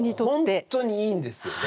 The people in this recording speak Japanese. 本当にいいんですよね？